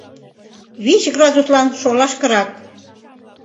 Вич градуслан шолашкырак!